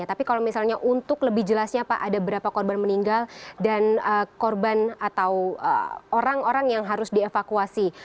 tapi kalau misalnya untuk lebih jelasnya pak ada berapa korban meninggal dan korban atau orang orang yang harus dievakuasi